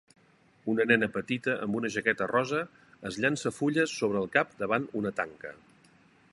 Una nena petita amb una jaqueta rosa es llança fulles sobre el cap davant una tanca.